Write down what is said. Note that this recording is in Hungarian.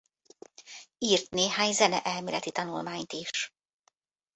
Írt néhány zeneelméleti tanulmányt is.